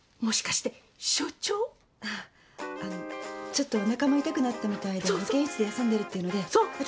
ちょっとおなかも痛くなったみたいで保健室で休んでるっていうので私